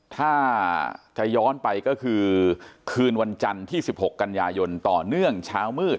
ถ้าจะย้อนไปก็คือคืนวันจันทร์ที่๑๖กันยายนต่อเนื่องเช้ามืด